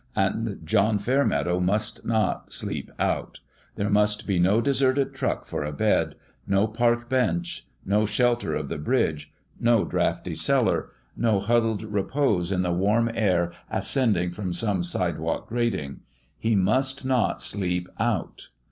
And John Fairmeadow must not sleep out ; there must be no deserted truck for a bed no park bench no shelter of the Bridge no draughty cellar no huddled repose in the warm air ascending from some sidewalk grating. He must not sleep out.